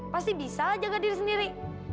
pasti bisa aja gak diri sendiri